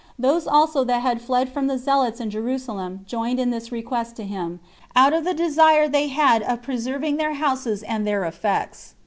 Those also that had fled from the zealots in Jerusalem joined in this request to him, out of the desire they had of preserving their houses and their effects.